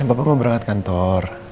dan papa mau berangkat kantor